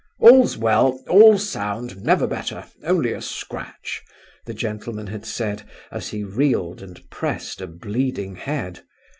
"All's well, all sound, never better, only a scratch!" the gentleman had said, as he reeled and pressed a bleeding head.